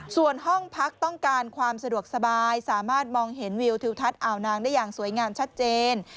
ส่วนห้องพักต้องการความสะดวกสบายสามารถมองเห็นวิวทิวทัศน์อ่าวนางได้อย่างสวยงามชัดเจน